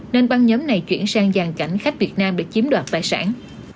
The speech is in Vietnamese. nên băng nhóm này chuyển sang giàn cảnh khách việt nam để chiếm đoạt tài sản